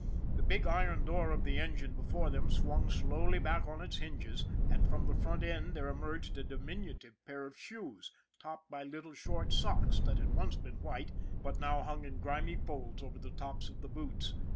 The big iron door of the engine before them swung slowly back on its hinges, and from the front end there emerged a diminutive pair of shoes, topped by little short socks that had once been white, but now hung in grimy folds over the tops of the boots.